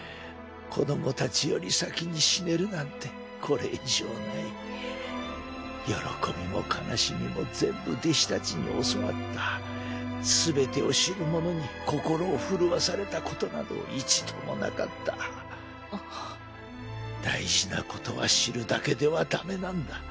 子どもたちより先に死ねるなんてこれ以上ない喜びも悲しみも全部弟子たちに教わっ全てを知る者に心を震わされたことなど一度もなかったあっ大事なことは知るだけではダメなんだ。